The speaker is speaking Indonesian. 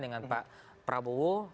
dengan pak prabowo